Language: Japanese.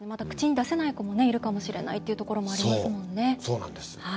口に出せない子もいるかもしれないっていうところもありますもんね。